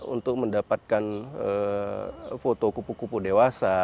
untuk mendapatkan foto kupu kupu dewasa